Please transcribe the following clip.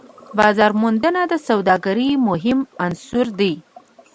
بازارموندنه د سوداګرۍ مهم عنصر دی.